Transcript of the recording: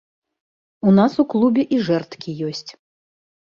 У нас у клубе і жэрдкі ёсць.